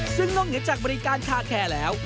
ซึ่งนอกเหนือจากบริการคาแคร์แล้ว